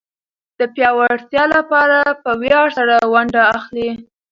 د پياوړتيا لپاره په وياړ سره ونډه اخلي.